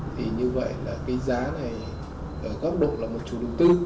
thì như vậy là cái giá này ở góc độ là một chủ đầu tư